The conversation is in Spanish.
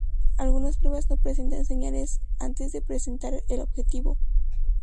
Algunas pruebas no presentan señales antes de presentar el objetivo.